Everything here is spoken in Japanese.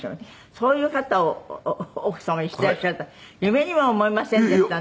そういう方を奥様にしてらっしゃるとは夢にも思いませんでしたね。